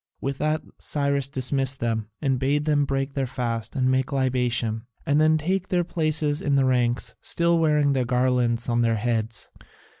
With that Cyrus dismissed them, and bade them break their fast and make libation, and then take their places in the ranks, still wearing their garlands on their heads.